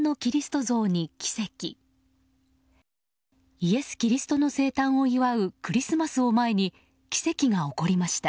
イエス・キリストの生誕を祝うクリスマスを前に奇跡が起こりました。